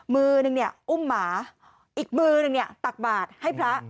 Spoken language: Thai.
มือนึงอุ้มหมาอีกมือนึงตักบาตรให้พระ